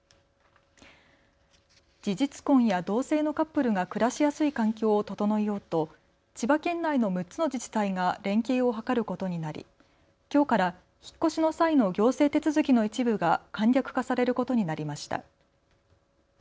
事実婚や同性のカップルが暮らしやすい環境を整えようと千葉県内の６つの自治体が連携を図ることになりきょうから引っ越しの際の行政手続きの一部が簡略化されることになりました。